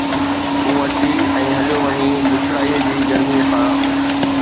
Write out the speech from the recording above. تون اچي ۽ هليو وڃين بڇڙائيءَ جي گرميءَ سان